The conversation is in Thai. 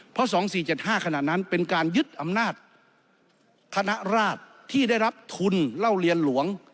เพราะ๒๔๗๕ขณะนั้นเป็นการยึดอำนาจคณะราชที่ได้รับทุนเล่าเรียนหลวง